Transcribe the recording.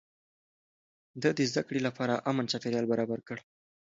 ده د زده کړې لپاره امن چاپېريال برابر کړ.